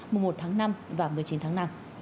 mùa một tháng năm và một mươi chín tháng năm